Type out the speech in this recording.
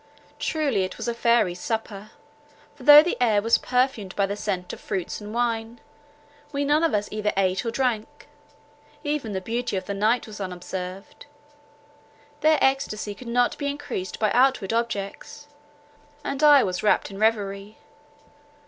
Truly it was a fairy's supper; for though the air was perfumed by the scent of fruits and wine, we none of us either ate or drank—even the beauty of the night was unobserved; their extasy could not be increased by outward objects, and I was wrapt in reverie.